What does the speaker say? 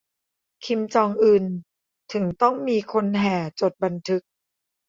'คิมจองอึน' ถึงต้องมีคนแห่จดบันทึก